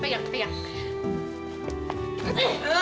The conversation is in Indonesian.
brengsek lu jatuhkan lu